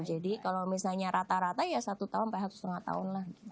jadi kalau misalnya rata rata ya satu tahun sampai satu setengah tahun lah